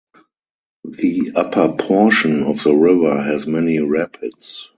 The upper portion of the river has many rapids.